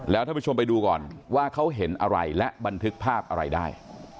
แล้วท่านผู้ชมไปดูก่อนว่าเขาเห็นอะไรและบันทึกภาพอะไรได้